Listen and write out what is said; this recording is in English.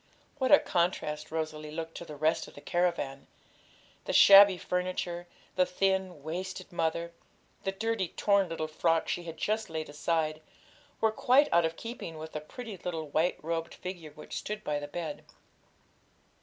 What a contrast Rosalie looked to the rest of the caravan! The shabby furniture, the thin, wasted mother, the dirty, torn little frock she had just laid aside, were quite out of keeping with the pretty little white robed figure which stood by the bed.